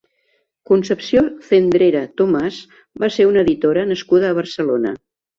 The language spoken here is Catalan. Concepció Zendrera Tomás va ser una editora nascuda a Barcelona.